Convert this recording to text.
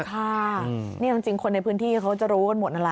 ค่ะนี่จริงคนในพื้นที่เขาจะรู้กันหมดนั่นแหละ